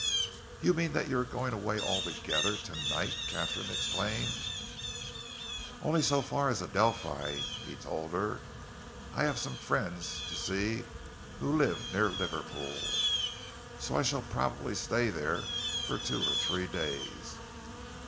"You mean that you are going away altogether to night?" Katharine exclaimed. "Only so far as the Adelphi," he told her. "I have some friends to see who live near Liverpool, so I shall probably stay there for two or three days."